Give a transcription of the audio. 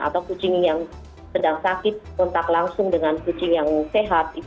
atau kucing yang sedang sakit kontak langsung dengan kucing yang sehat